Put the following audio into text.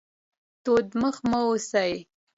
توت مخ مه اوسئ